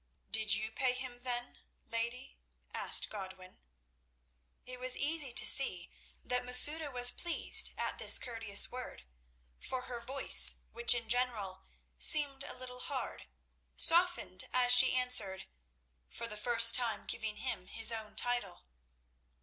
"Did you pay him, then, lady?" asked Godwin. It was easy to see that Masouda was pleased at this courteous word, for her voice, which in general seemed a little hard, softened as she answered, for the first time giving him his own title.